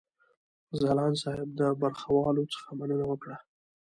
ځلاند صاحب د برخوالو څخه مننه وکړه.